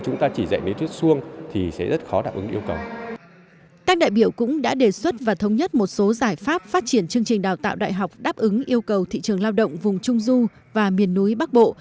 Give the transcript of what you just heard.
các đại biểu cũng đã đề xuất và thống nhất một số giải pháp phát triển chương trình đào tạo đại học đáp ứng yêu cầu thị trường lao động vùng trung du và miền núi bắc bộ